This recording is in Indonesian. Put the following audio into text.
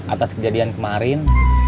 atas kejadian kemarin